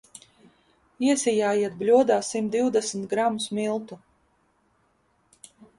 Iesijājiet bļodā simt divdesmit gramus miltu.